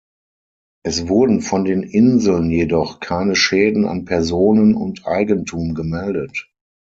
Es wurden von den Inseln jedoch keine Schäden an Personen und Eigentum gemeldet.